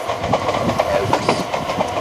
concordes